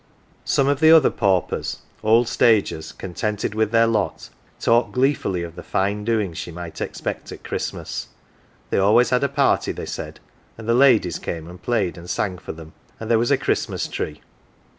Some of the other paupers, old stagers contented with their lot, talked gleefully of the fine doings she might expect at Christmas ; they always had a party, they said, and the ladies came and played and sang for them, and there was a Christmas Tree.